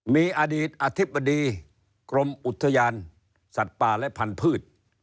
มีอดีตอธิบดีกรมอุทยานสัตว์ป่าและพันธุ์